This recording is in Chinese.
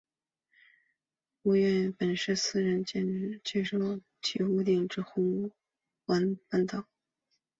屋苑原本是私人参建的政府居者有其屋项目红湾半岛。